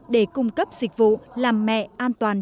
để cung cấp dịch vụ làm mẹ an toàn